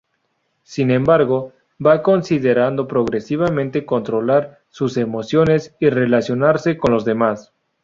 Sin embargo, va consiguiendo progresivamente controlar sus emociones y relacionarse con los demás.